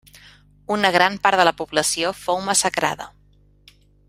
Una gran part de la població fou massacrada.